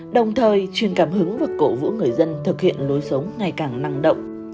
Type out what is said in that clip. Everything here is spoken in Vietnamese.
đồng thời truyền cảm hứng và cổ vũ người dân thực hiện lối sống ngày càng năng động